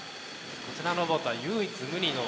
こちらのロボットは唯一無二の。